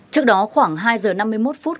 trước đó khoảng hai h năm mươi một phút